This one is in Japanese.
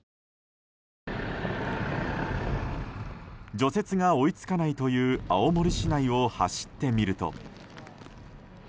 除雪が追いつかないという青森市内を走ってみると。